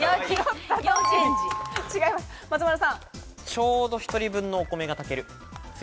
ちょうど１人分のお米が炊ける。